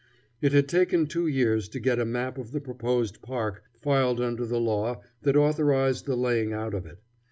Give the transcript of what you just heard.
It had taken two years to get a map of the proposed park filed under the law that authorized the laying out of it.